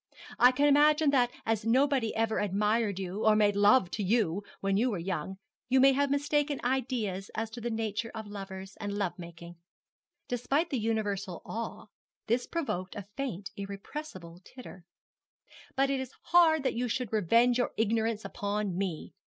'I can imagine that as nobody ever admired you or made love to you when you were young, you may have mistaken ideas as to the nature of lovers and love making' despite the universal awe, this provoked a faint, irrepressible titter 'but it is hard that you should revenge your ignorance upon me.